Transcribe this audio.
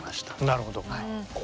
なるほど。